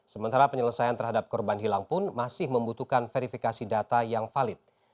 sementara penyelesaian terhadap korban hilang pun masih membutuhkan verifikasi data yang valid